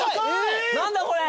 何だこれ！